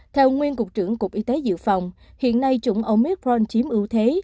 theo nguyên cục trưởng cục y tế dự phòng hiện nay chủng omicron chiếm ưu thế